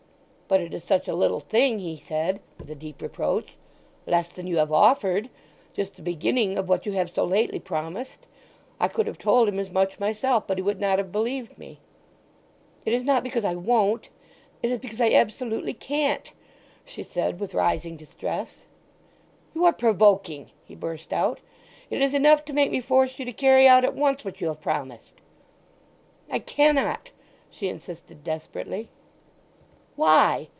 "But it is such a little thing!" he said, with a deep reproach. "Less than you have offered—just the beginning of what you have so lately promised! I could have told him as much myself, but he would not have believed me." "It is not because I won't—it is because I absolutely can't," she said, with rising distress. "You are provoking!" he burst out. "It is enough to make me force you to carry out at once what you have promised." "I cannot!" she insisted desperately. "Why?